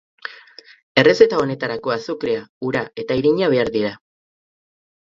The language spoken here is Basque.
Errezeta honetarako azukrea, ura eta irina behar dira.